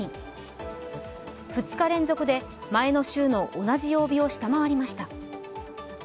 ２日連続で前の週の同じ曜日を下回りました。